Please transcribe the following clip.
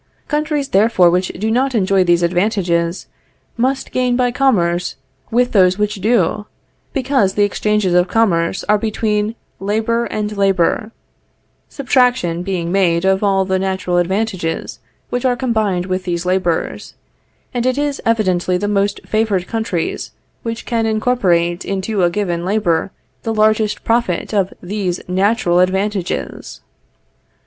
Countries therefore which do not enjoy these advantages, must gain by commerce with those which do; because the exchanges of commerce are between labor and labor; subtraction being made of all the natural advantages which are combined with these labors; and it is evidently the most favored countries which can incorporate into a given labor the largest proportion of these natural advantages.